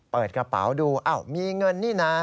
เปิดกระเป๋าดูอ้าวมีเงินนี่นะ